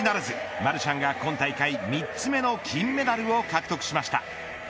マルシャンが今大会３つ目の金メダルを獲得しました。